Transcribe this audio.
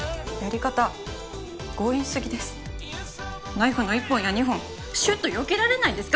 ナイフの１本や２本シュッとよけられないんですか